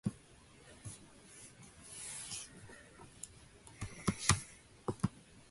The film also features footage of Occupy Wall Street.